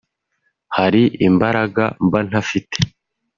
hari imbaraga mba ntafite